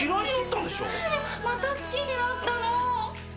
「また好きになった」？